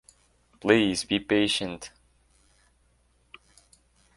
Please be patient.